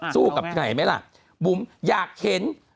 สู้กับใครไหมล่ะบุ๋มอยากเห็น